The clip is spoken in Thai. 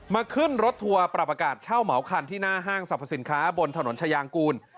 ขึ้นรถทัวร์ปรับอากาศเช่าเหมาคันที่หน้าห้างสรรพสินค้าบนถนนชายางกูล